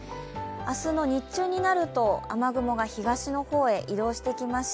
明日の日中になると雨雲が東の方へ移動してきまして